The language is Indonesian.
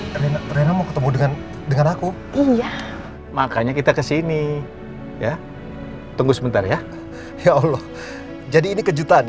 sampai jumpa di video selanjutnya